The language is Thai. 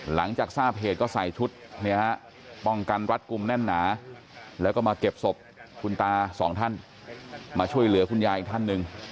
หลังจากทราบเหตุก็ใส่ชุดป้องกันรัดกลุ่มแน่นหนาแล้วก็มาเก็บศพคุณตาสองท่านมาช่วยเหลือคุณยายอีกท่านหนึ่ง